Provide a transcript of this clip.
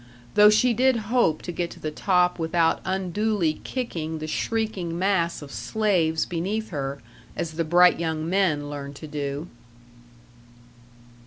Though she did hope to get to the top without unduly kicking the shrieking mass of slaves beneath her, as the bright young men learned to do.